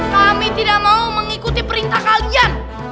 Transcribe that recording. kami tidak mau mengikuti perintah kalian